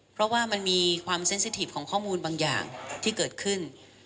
เพราะว่ามันมีความเซ็นสิทีฟของข้อมูลบางอย่างที่เกิดขึ้น